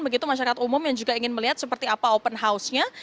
begitu masyarakat umum yang juga ingin melihat seperti apa open house nya